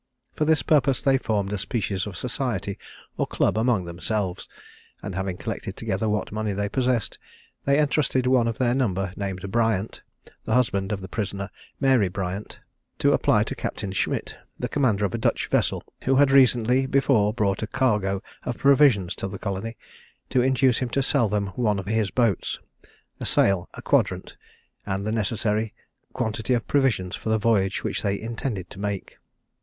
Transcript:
For this purpose they formed a species of society or club among themselves, and having collected together what money they possessed, they entrusted one of their number, named Briant, the husband of the prisoner Mary Briant, to apply to Captain Schmidt, the commander of a Dutch vessel, who had recently before brought a cargo of provisions to the colony, to induce him to sell them one of his boats, a sail, a quadrant, and the necessary quantity of provisions for the voyage which they intended to make.